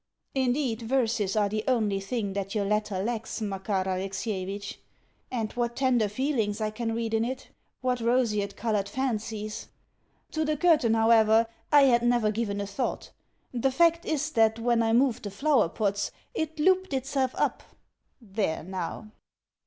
Indeed, verses are the only thing that your letter lacks, Makar Alexievitch. And what tender feelings I can read in it what roseate coloured fancies! To the curtain, however, I had never given a thought. The fact is that when I moved the flower pots, it LOOPED ITSELF up. There now!